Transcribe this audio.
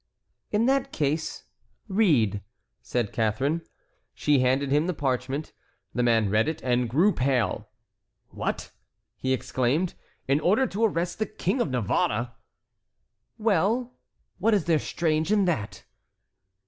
"In that case, read," said Catharine. She handed him the parchment. The man read it and grew pale. "What!" he exclaimed, "an order to arrest the King of Navarre!" "Well! what is there strange in that?"